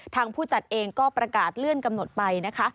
ทางผู้จัดเองก็ประกาศเลื่อนกำหนดไป